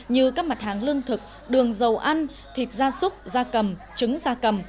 như các mặt hàng lương thực đường dầu ăn thịt da súc da cầm trứng da cầm